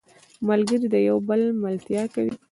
ملګری د یو بل ملتیا کوي